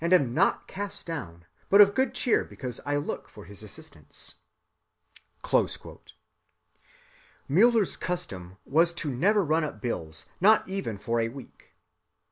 am not cast down, but of good cheer because I look for his assistance." Müller's custom was to never run up bills, not even for a week.